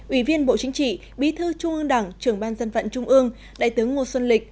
ủy viên bộ chính trị bí thư trung ương đảng trưởng ban dân vận trung ương đại tướng ngô xuân lịch